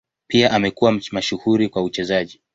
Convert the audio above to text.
Pia amekuwa mashuhuri kwa uchezaji.